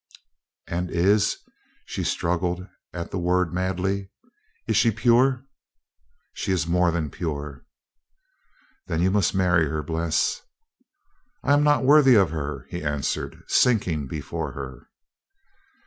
"And is" she struggled at the word madly "is she pure?" "She is more than pure." "Then you must marry her, Bles." "I am not worthy of her," he answered, sinking before her.